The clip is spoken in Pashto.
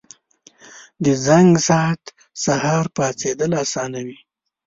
• د زنګ ساعت سهار پاڅېدل اسانوي.